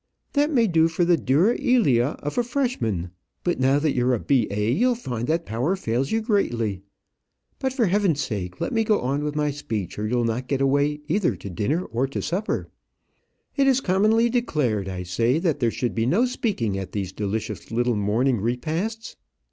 "That may do for the 'dura ilia' of a freshman, but now that you're a B.A., you'll find that that power fails you greatly. But, for heaven's sake, let me go on with my speech, or you'll not get away either to dinner or to supper. It is commonly declared, I say, that there should be no speaking at these delicious little morning repasts."